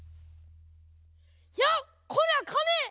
やっ⁉こりゃかね！